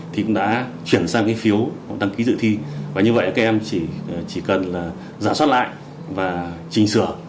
cũng đã chuyển sang phiếu đăng ký dự thi và như vậy các em chỉ cần giả soát lại và trình sửa